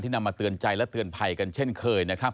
ที่นำมาเตือนใจและเตือนภัยกันเช่นเคย